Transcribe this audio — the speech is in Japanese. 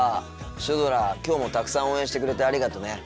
シュドラきょうもたくさん応援してくれてありがとね。